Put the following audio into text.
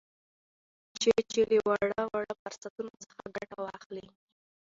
چې چې له وړ وړ فرصتونو څخه ګته واخلي